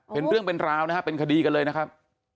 เป็นเรื่องเป็นราวนะฮะเป็นคดีกันเลยนะครับ